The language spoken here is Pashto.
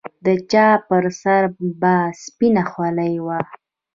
د چا پر سر به سپينه خولۍ وه.